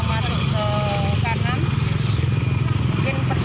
mungkin perjalanan pulang ke rumahnya